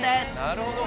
なるほど。